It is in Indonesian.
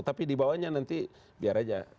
tapi di bawahnya nanti biar aja